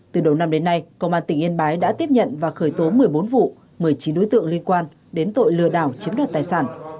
từ đầu năm đến nay công an tỉnh yên bái đã tiếp nhận và khởi tố một mươi bốn vụ một mươi chín đối tượng liên quan đến tội lừa đảo chiếm đoạt tài sản